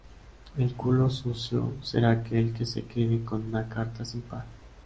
El culo sucio será aquel que se quede con una carta sin par.